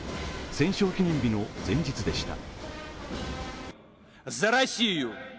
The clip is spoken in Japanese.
戦勝記念日の前日でした。